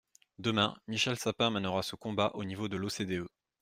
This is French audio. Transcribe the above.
Demain, Michel Sapin mènera ce combat au niveau de l’OCDE.